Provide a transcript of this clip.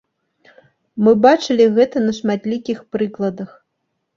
Мы бачылі гэта на шматлікіх прыкладах.